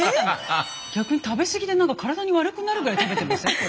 逆に食べ過ぎでなんか体に悪くなるぐらい食べてません？